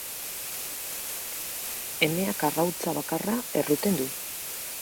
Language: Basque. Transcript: Emeak arrautza bakarra erruten du.